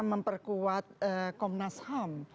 memperkuat komnas ham